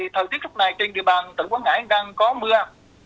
thời tiết lúc này trên địa bàn tỉnh quảng ngãi đang có mưa